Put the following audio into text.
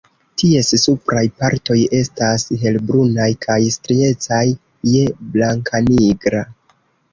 Ties supraj partoj estas helbrunaj kaj striecaj je blankanigra.